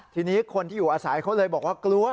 ทีนี้คนที่อยู่อาศัยเขาเลยบอกว่ากลัว